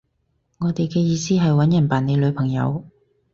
我哋嘅意思係搵人扮你女朋友